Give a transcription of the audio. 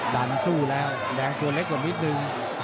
ดันสู้แล้วแดงตัวเล็กกว่านิดนึง